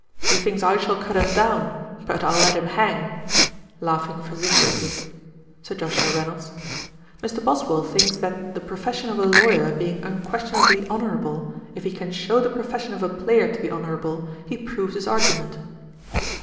He thinks I shall cut him down, but I'll let him hang' (laughing vociferously). SIR JOSHUA REYNOLDS. 'Mr. Boswell thinks that the profession of a lawyer being unquestionably honourable, if he can show the profession of a player to be more honourable, he proves his argument.'